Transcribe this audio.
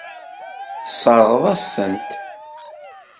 Tesseṛɣeḍ-aɣ-tent.